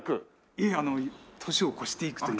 いえ年を越していくという。